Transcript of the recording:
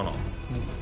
うん。